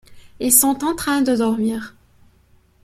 Ils sont en train de dormir.